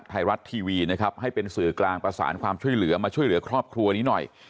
ไทยรัฐทีวีนะครับให้เป็นสื่อกลางประสานความช่วยเหลือมาช่วยเหลือครอบครัวนี้หน่อย